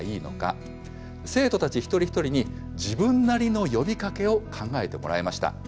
生徒たち一人一人に自分なりの呼びかけを考えてもらいました。